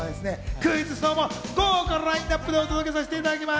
クイズッス、どうも豪華ラインナップでお届けさせていただきます。